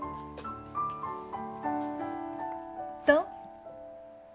どう？